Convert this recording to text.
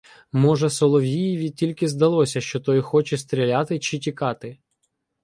Може, Соловієві тільки здалося, що той хоче стріляти чи тікати.